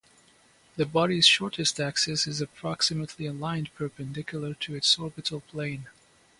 The body's shortest axis is approximately aligned perpendicular to its orbital plane.